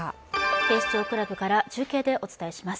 警視庁クラブから中継でお伝えします。